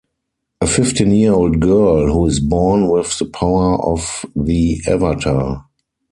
A fifteen-year-old girl who is born with the power of the Avatar.